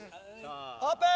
オープン！